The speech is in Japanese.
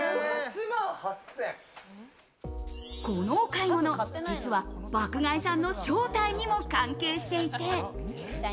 このお買い物、実は爆買いさんの正体にも関係していて。